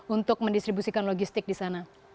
untuk mendistribusikan logistik di sana